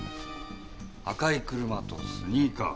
赤い車とスニーカー。